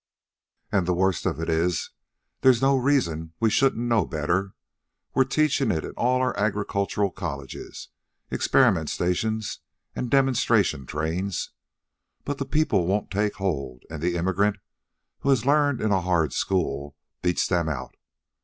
And the worst of it is there's no reason we shouldn't know better. We're teaching it in all our agricultural colleges, experiment stations, and demonstration trains. But the people won't take hold, and the immigrant, who has learned in a hard school, beats them out.